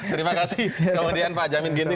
terima kasih kemudian pak jamin ginting